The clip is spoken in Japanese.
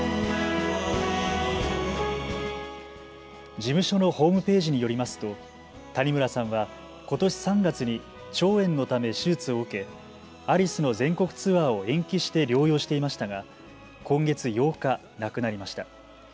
事務所のホームページによりますと谷村さんはことし３月に腸炎のため手術を受け、アリスの全国ツアーを延期して療養していましたが今月８日、亡くなりました。